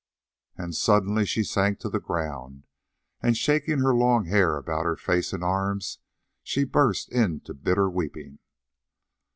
And suddenly she sank to the ground and, shaking her long hair about her face and arms, she burst into bitter weeping.